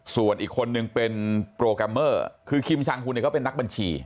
ส่วนอีกคนนึงเป็นโปรแกรมเมอร์คือคิมชังหุ่นเนี่ยเขาเป็นนักบัญชี